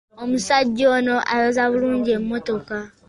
Omusajja ono ayoza bulungi emmotoka.